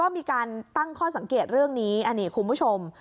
มีการตั้งข้อสังเกตเรื่องนี้อันนี้คุณผู้ชม